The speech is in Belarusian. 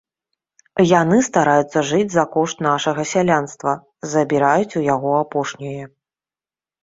Яны стараюцца жыць за кошт нашага сялянства, забіраюць у яго апошняе.